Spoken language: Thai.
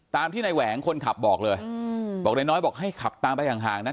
ตามที่ในแหวงคนขับบอกเลยอืมบอกในน้อยบอกให้ขับตามไปห่างห่างนะ